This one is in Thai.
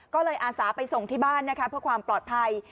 ก็เลยอาสาไปส่งที่บ้านนะคะเพื่อความปลอดภัย